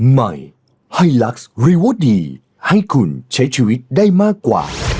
ใหม่ไฮลักษ์ริโวดีให้คุณใช้ชีวิตได้มากกว่า